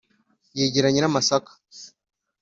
yigira nyiri amasaka !